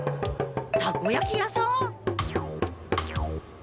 たこやき屋さん？